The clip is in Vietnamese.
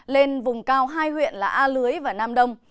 lên vùng cao hai huyện là a lưới và nam đông